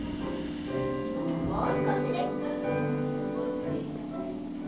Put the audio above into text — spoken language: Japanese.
もう少しです。